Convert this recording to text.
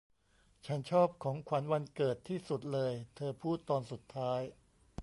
'ฉันชอบของขวัญวันเกิดที่สุดเลย' เธอพูดตอนสุดท้าย